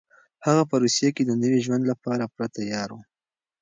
هغه په روسيه کې د نوي ژوند لپاره پوره تيار و.